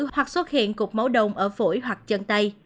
hoặc xuất hiện cục máu đồng ở phổi hoặc chân tay